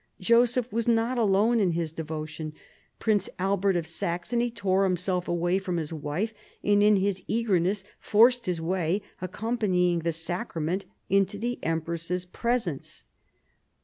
Joseph was not alone in his devptioa Prince Albert of Saxony tore himself away from his wife, and in his eagerness forced his way, accompanying the sacrament, into the empress's presence.